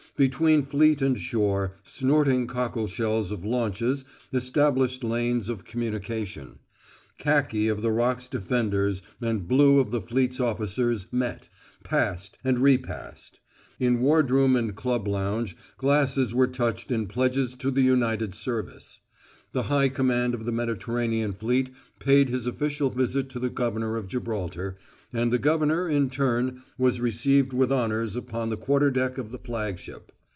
Between fleet and shore snorting cockleshells of launches established lanes of communication; khaki of the Rock's defenders and blue of the fleet's officers met, passed, and repassed. In wardroom and club lounge glasses were touched in pledges to the united service. The high commander of the Mediterranean fleet paid his official visit to the governor of Gibraltar, and the governor, in, turn, was received with honors upon the quarterdeck of the flagship.